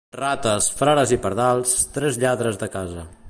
Rates, frares i pardals, tres lladres de casa.